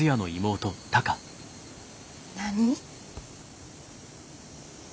何？